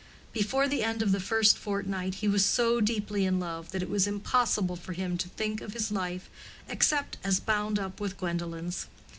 Before the end of the first fortnight he was so deeply in love that it was impossible for him to think of his life except as bound up with Gwendolen's.